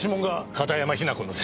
片山雛子のです。